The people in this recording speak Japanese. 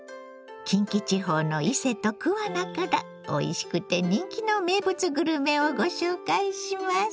近畿地方の伊勢と桑名からおいしくて人気の名物グルメをご紹介します。